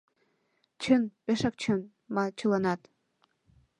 — Чын, пешак чын! — маныт чыланат.